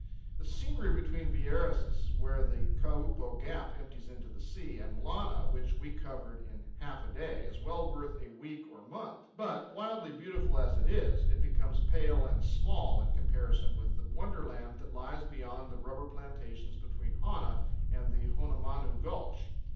The scenery between Vieiras's (where the Kaupo Gap empties into the sea) and Lana, which we covered in half a day, is well worth a week or month; but, wildly beautiful as it is, it becomes pale and small in comparison with the wonderland that lies beyond the rubber plantations between Hana and the Honomanu Gulch.